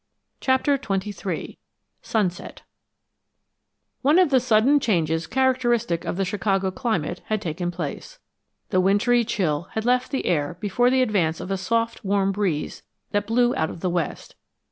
CHAPTER XXIII SUNSET One of the sudden changes characteristic of the Chicago climate had taken place. The wintry chill had left the air before the advance of a soft, warm breeze that blew out of the west.